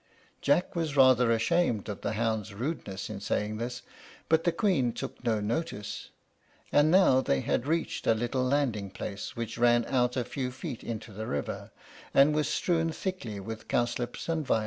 Jack was rather ashamed of the hound's rudeness in saying this; but the Queen took no notice. And now they had reached a little landing place, which ran out a few feet into the river, and was strewed thickly with cowslips and violets.